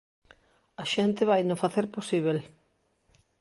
A xente vaino facer posíbel.